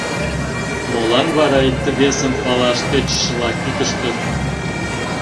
Молан вара икте-весым палаш тӧчышыла кӱтыштыт?